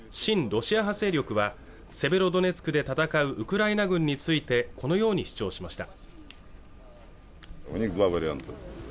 ロシア派勢力はセベロドネツクで戦うウクライナ軍についてこのように主張しました